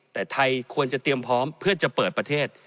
แต่ไทยควรจะเตรียมพร้อมเพื่อจะเปิดประเทศ